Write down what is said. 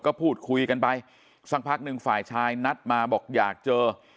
ก็พูดคุยกันไปสักพักหนึ่งฝ่ายชายนัดมาบอกอยากเจอ